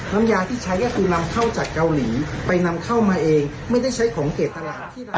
น้ำยาที่ใช้ก็คือนำเข้าจากเกาหลีไปนำเข้ามาเองไม่ได้ใช้ของเกตตลาดที่เรา